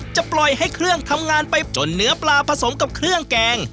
จะปล่อยให้เครื่องทำงานไปจนเนื้อปลาผสมกับเครื่องแกง